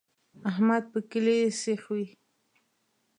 احمد په کلي سیخ وي.